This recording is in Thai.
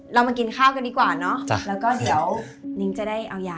เรามากินข้าวกันดีกว่าเนอะแล้วก็เดี๋ยวนิ้งจะได้เอายา